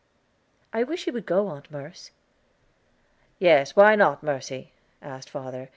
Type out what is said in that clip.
"I wish you would go, Aunt Merce." "Yes, why not, Mercy?" asked father.